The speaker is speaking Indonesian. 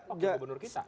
oke gubernur kita